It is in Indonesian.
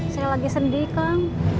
saya lagi sedih kang